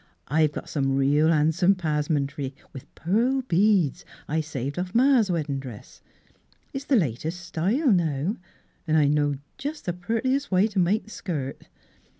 " I've got some real han'some paz'mentry, with pearl beads I saved bfF ma's weddin' dress. It's the latest style now ; 'n' I know just the prettiest way to make the skirt."